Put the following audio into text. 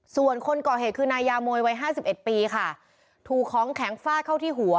ส่วนคนก่อเหตุคือนายยามวยวัยห้าสิบเอ็ดปีค่ะถูกของแข็งฟาดเข้าที่หัว